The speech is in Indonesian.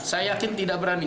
saya yakin tidak berani